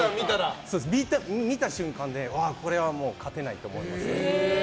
見た瞬間、これはもう勝てないって思いますね。